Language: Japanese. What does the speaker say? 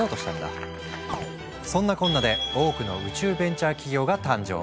そんなこんなで多くの宇宙ベンチャー企業が誕生。